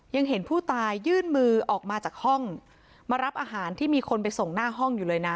ยังเห็นผู้ตายยื่นมือออกมาจากห้องมารับอาหารที่มีคนไปส่งหน้าห้องอยู่เลยนะ